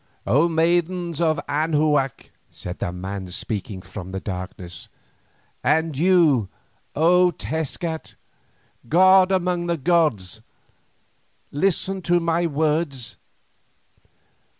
"O maidens of Anahuac," said the man speaking from the darkness, "and you, O Tezcat, god among the gods, listen to my words.